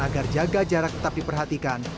agar jaga jarak tetap diperhatikan